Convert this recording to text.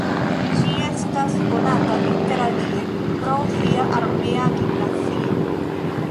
Ĝi estas konata interalie pro sia armea gimnazio.